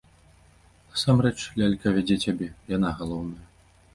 Насамрэч лялька вядзе цябе, яна галоўная!